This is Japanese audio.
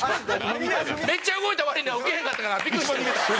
めっちゃ動いた割にはウケへんかったからビックリしてる。